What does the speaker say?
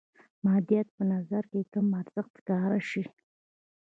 مادیات په نظر کې کم ارزښته ښکاره شي.